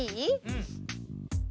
うん。